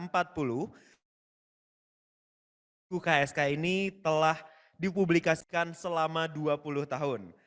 pertama uksk ini telah dipublikasikan selama dua puluh tahun